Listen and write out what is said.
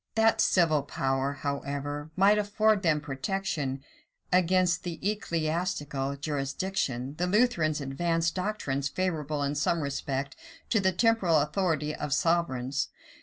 That the civil power, however, might afford them protection against the ecclesiastical jurisdiction, the Lutherans advanced doctrines favorable in some respect to the temporal authority of sovereigns.